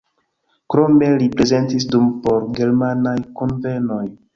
Krome li prezentis dum por-germanaj kunvenoj.